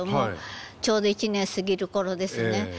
ちょうど１年過ぎる頃ですね